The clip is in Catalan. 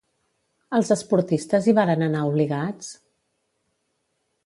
Els esportistes hi varen anar obligats?